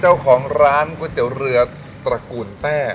เจ้าของร้านก๋วยเตี๋ยวเรือตระกูลแต้